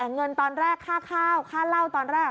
เงินตอนแรกค่าข้าวค่าเหล้าตอนแรก